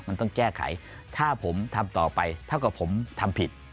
มันต้องแก้ไขถ้าผมทำต่อไปเท่ากับผมทำผิด